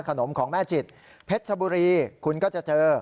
ของแม่จิตเพชรชบุรีคุณก็จะเจอ